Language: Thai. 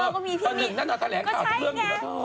ก็มีพี่หนุ่มกัญชัยกำเนิดพลอยไงเธอ